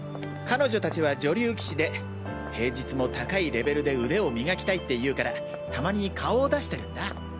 彼女達は女流棋士で平日も高いレベルで腕を磨きたいって言うからたまに顔を出してるんだ。